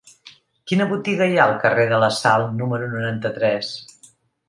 Quina botiga hi ha al carrer de la Sal número noranta-tres?